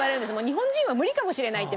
日本人は無理かもしれないって